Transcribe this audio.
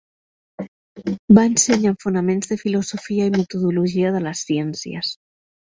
Va ensenyar Fonaments de Filosofia i Metodologia de les ciències.